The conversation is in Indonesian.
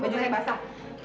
baju saya basah